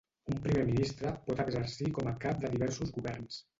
Un primer ministre pot exercir com a cap de diversos governs.